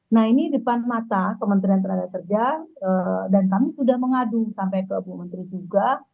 nah ini depan mata kementerian tenaga kerja dan kami sudah mengadu sampai ke bu menteri juga